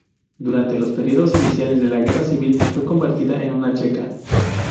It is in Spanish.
Durante los periodos iniciales de la Guerra Civil fue convertida en una checa.